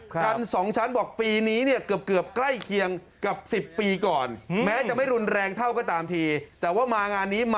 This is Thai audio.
กัน๒ชั้นบอกปีนี้เนี่ยเกือบใกล้เคียงกับ๑๐ปีก่อนแม้จะไม่รุนแรงเท่าก็ตามทีแต่ว่ามางานนี้มา